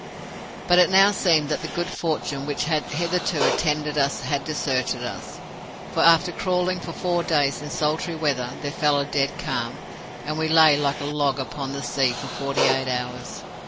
"But it now seemed that the good fortune which had hitherto attended us had deserted us, for after crawling for four days in sultry weather, there fell a dead calm, and we lay like a log upon the sea for forty eight hours.